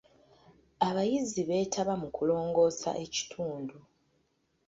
Abayizi beetaba mu kulongoosa ekitundu.